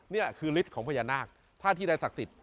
นี่คือฤทธิ์ของพญานาคถ้าที่ใดศักดิ์สิทธิ